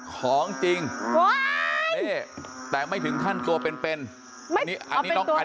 ของจริงแต่ไม่ถึงขั้นตัวเป็นอันนี้น้องพันธ